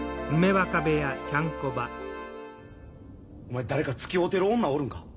お前誰かつきおうてる女おるんか？